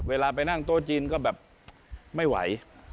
เวลาไปนั่งโต๊ะจีนก็แบบไม่ไหว